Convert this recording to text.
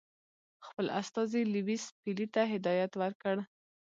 خپل استازي لیویس پیلي ته هدایت ورکړ.